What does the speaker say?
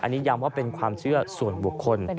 อันนี้ย้ำว่าเป็นความเชื่อส่วนบุคคล